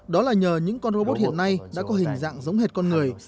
đó là nhờ những con robot hiện nay đã có hình dạng giống hệt con người